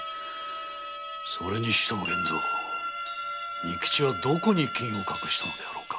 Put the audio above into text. それにしても仁吉はどこに金を隠したのであろうか。